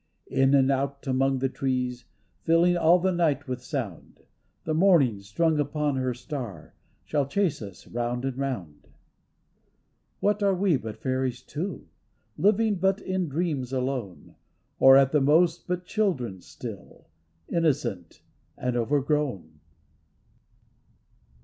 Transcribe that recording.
In and out among the trees, Filling all the night with sound, The morning, strung upon her star, Shall chase us round and round. What are we but fairies too, Living but in dreams alone. Or, at the most, but children still, Innocent and overgrown?